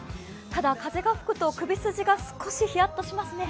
ただ風が吹くと首筋が少しひやっとしますね。